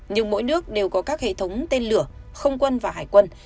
nhưng mỗi nước đều có các hệ thống tên lửa không quân và hải quân